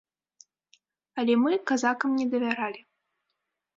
Але мы казакам не давяралі.